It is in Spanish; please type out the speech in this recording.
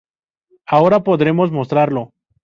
Ahora podremos mostrarlo.